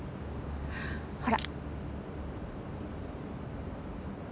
ほら。